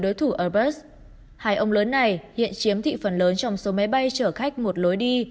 đối thủ airbus hai ông lớn này hiện chiếm thị phần lớn trong số máy bay chở khách một lối đi